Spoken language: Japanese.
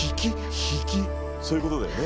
そういうことだよね。